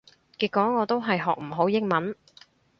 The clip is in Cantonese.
結果我都係學唔好英文